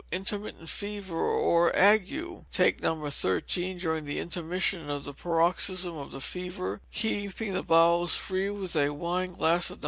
Intermittent Fever, or Ague. Take No. 13 during the intermission of the paroxysm of the fever; keeping the bowels free with a wine glass of No.